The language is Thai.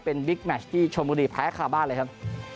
เป็นบิ๊กแมชที่ชนบุรีแพ้คาบ้านเลยครับ